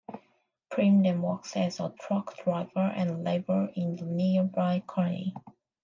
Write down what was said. Prem then works as a truck driver and laborer in the nearby quarry.